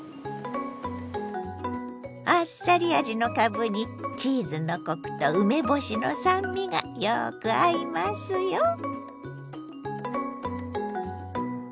あっさり味のかぶにチーズのコクと梅干しの酸味がよく合いますよ。